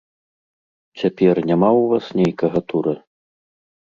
Цяпер няма ў вас нейкага тура?